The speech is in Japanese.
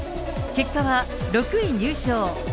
結果は６位入賞。